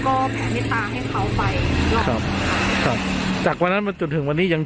เขาไปครับครับจากวันนั้นมาจนถึงวันนี้ยัง